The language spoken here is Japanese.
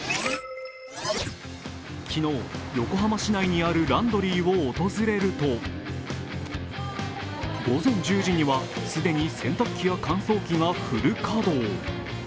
昨日、横浜市内にあるランドリーを訪れると午前１０時には既に洗濯機や乾燥機がフル稼働。